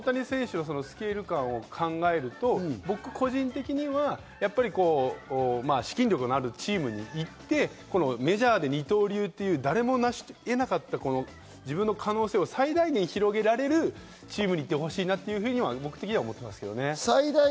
大谷選手のスケール感を考えると僕、個人的には資金力のあるチームに行ってメジャーで二刀流という誰も成し得なかった自分の可能性を最大限広げられるチームにいってほしいなと僕的には思ってます。